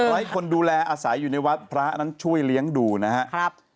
ไร้คนดูแลอาศัยอยู่ในวัดพระนั้นช่วยเลี้ยงดูนะครับ